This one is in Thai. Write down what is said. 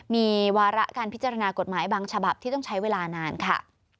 มีวาระการพิจารณากฎหมายบางฉบับที่ต้องใช้เวลานานค่ะ